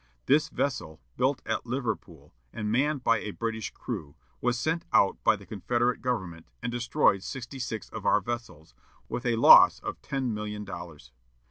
This vessel, built at Liverpool, and manned by a British crew, was sent out by the Confederate government, and destroyed sixty six of our vessels, with a loss of ten million dollars.